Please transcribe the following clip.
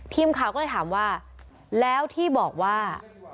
ทีมข่าวก็เลยถามว่าแล้วที่บอกว่า